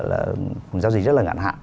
là giao dịch rất là ngàn hạn